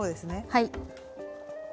はい。